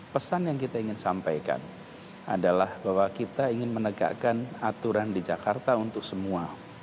pesan yang kita ingin sampaikan adalah bahwa kita ingin menegakkan aturan di jakarta untuk semua